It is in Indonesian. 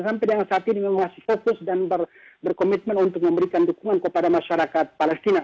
sampai dengan saat ini memang masih fokus dan berkomitmen untuk memberikan dukungan kepada masyarakat palestina